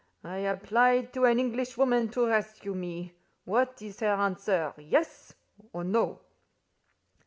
"I apply to an Englishwoman to rescue me. What is her answer—Yes, or No?"